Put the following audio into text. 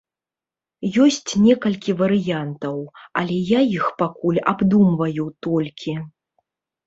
Ёсць некалькі варыянтаў, але я іх пакуль абдумваю толькі.